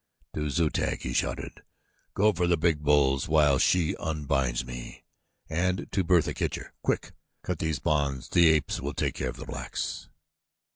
To Zu tag he shouted: "Go for the big bulls while the she unbinds me," and to Bertha Kircher: "Quick! Cut these bonds. The apes will take care of the blacks."